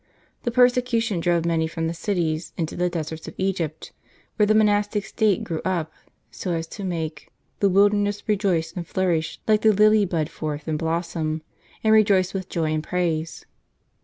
The persecution drove many from the cities, into the deserts of Egypt, where the monastic state grew up, so as to make " the wilderness rejoice and flourish like the lily bud forth and blossom, and rejoice with joy and praise."